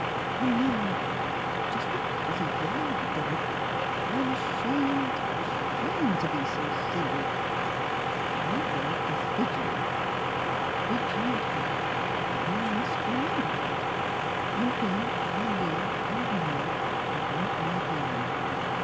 And now just because a yellow dog I am ashamed ashamed to be so silly. Our God is NEIGHBORS 153 vigilant a vigilant God. I must remember that ! In Him I live and move and have my being.